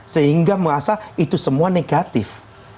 sehingga merasa itu semua negatif